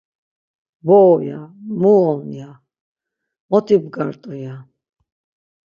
Bo, ya; mu on, ya; mot ibgartu, ya.